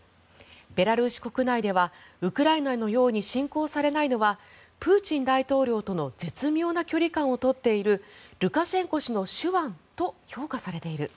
ベラルーシ国内ではウクライナのように侵攻されないのはプーチン大統領との絶妙な距離感を取っているルカシェンコ氏の手腕と評価されている。